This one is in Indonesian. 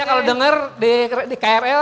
kalau dengar di krl